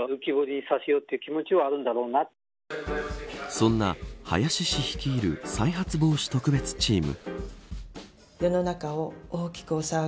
そんな林氏率いる再発防止特別チーム。